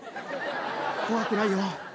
怖くないよ。